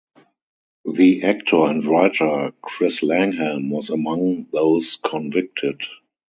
The actor and writer Chris Langham was among those convicted.